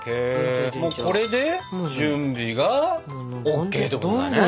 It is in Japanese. もうこれで準備がＯＫってことだね。